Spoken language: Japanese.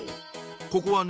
ここはね